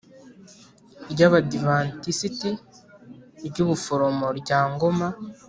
ry Abadivantisiti ry Ubuforomo rya Ngoma